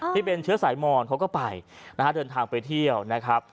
ที่เป็นเชื้อสายมอนเขาก็ไปนะฮะเดินทางไปเที่ยวนะครับ